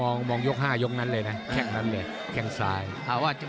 อ่ามองโยคห้ายกนั้นนั้นเลยเนี่ยแค่นั้นเดียวแค่นั้น